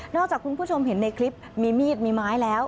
จากคุณผู้ชมเห็นในคลิปมีมีดมีไม้แล้ว